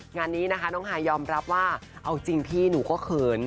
งานนี้นะคะน้องฮายยอมรับว่าเอาจริงพี่หนูก็เขิน